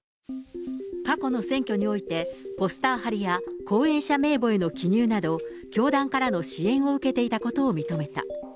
過去の選挙において、ポスター貼りや後援者名簿への記入など、教団からの支援を受けていたことを認めた。